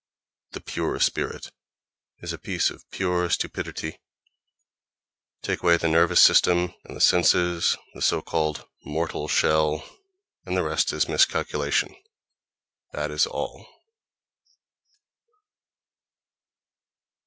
The "pure spirit" is a piece of pure stupidity: take away the nervous system and the senses, the so called "mortal shell," and the rest is miscalculation—that is all!...